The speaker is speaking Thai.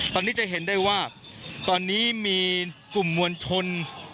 ตอนนี้จะเห็นได้ว่าตอนนี้มีกลุ่มมวลชน